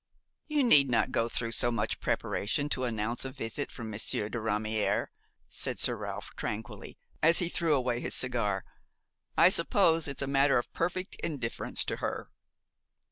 "You need not go through so much preparation to announce a visit from Monsieur de Ramière," said Sir Ralph, tranquilly, as he threw away his cigar; "I suppose that it's a matter of perfect indifference to her."